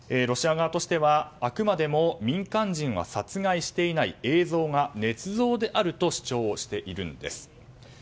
ロシア側としては、あくまでも民間人は殺害していない映像がねつ造であると主張しているんです。